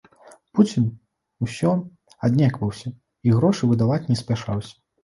Пуцін усё аднекваўся, і грошы выдаваць не спяшаўся.